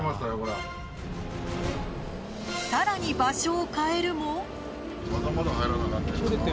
さらに場所を変えるも。